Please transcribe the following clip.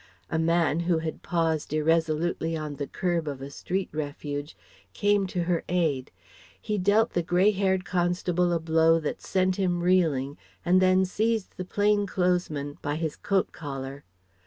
A man who had paused irresolutely on the kerb of a street refuge came to her aid. He dealt the grey haired constable a blow that sent him reeling and then seized the plain clothes man by his coat collar.